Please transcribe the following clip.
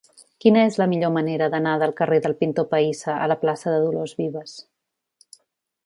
Quina és la millor manera d'anar del carrer del Pintor Pahissa a la plaça de Dolors Vives?